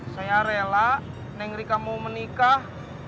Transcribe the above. saya rela neng rika mau menikah